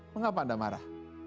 mengapa anda marah